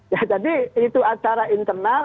ya jadi itu acara internal